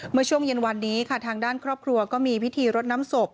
เมื่อช่วงเย็นวันนี้ค่ะทางด้านครอบครัวก็มีพิธีรดน้ำศพ